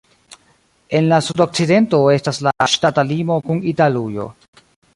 En la sudokcidento estas la ŝtata limo kun Italujo.